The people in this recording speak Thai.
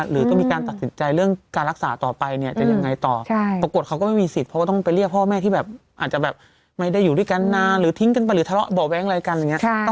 หรือต้องมีการตัดสินใจเรื่องการรักษาต่อไปจะยังไงต่อ